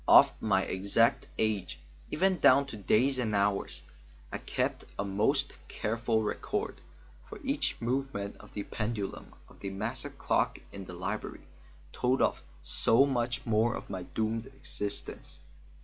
Of my exact age, even down to days and hours, I kept a most careful record, for each movement of the pendulum of the massive clock in the library tolled off so much more of my doomed existence.